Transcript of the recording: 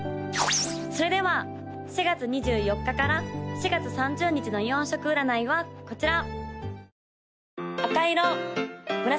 ・それでは４月２４日から４月３０日の４色占いはこちら！